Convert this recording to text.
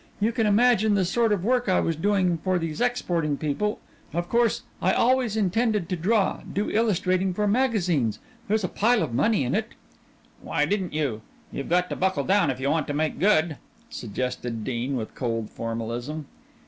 You can imagine the sort of work I was doing for those exporting people of course, I always intended to draw; do illustrating for magazines; there's a pile of money in it." "Why didn't you? You've got to buckle down if you want to make good," suggested Dean with cold formalism.